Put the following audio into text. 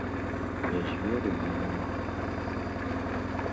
Без веры я не магу.